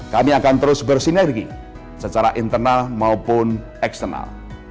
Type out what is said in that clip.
kami akan terus bersinergi secara internal maupun eksternal